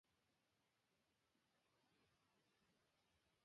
Y mae'n fath o Chwaraewr Cyfryngau Cludadwy.